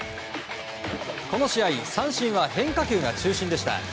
この日の三振は変化球が中心でした。